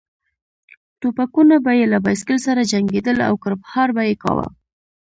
ټوپکونه به یې له بایسکل سره جنګېدل او کړپهار به یې کاوه.